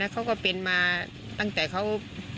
เขาก็เป็นมาตั้งแต่เขา